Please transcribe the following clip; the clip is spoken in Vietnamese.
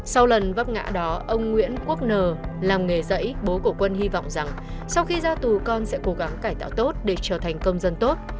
sau lần vấp ngã đó ông nguyễn quốc nờ làm nghề dãy bố của quân hy vọng rằng sau khi ra tù con sẽ cố gắng cải tạo tốt để trở thành công dân tốt